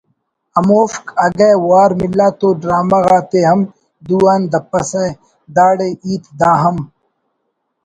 ہموفک اگہ وار ملا تو ڈرامہ غاتے ہم دو آن دپسہ داڑے ہیت دا ہم